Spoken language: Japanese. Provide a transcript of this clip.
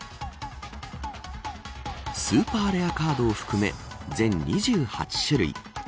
スーパーレアカードを含め全２８種類。